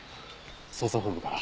捜査本部から。